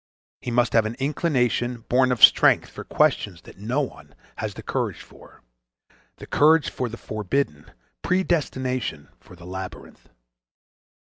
He must have an inclination, born of strength, for questions that no one has the courage for; the courage for the forbidden; predestination for the labyrinth.